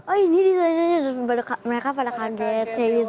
oh ini designnya mereka pada kaget